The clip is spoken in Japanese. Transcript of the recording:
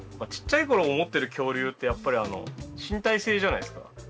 ちっちゃい頃思ってる恐竜ってやっぱりあの身体性じゃないですか。